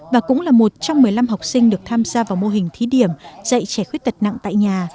và cũng là một trong một mươi năm học sinh được tham gia vào mô hình thí điểm dạy trẻ khuyết tật nặng tại nhà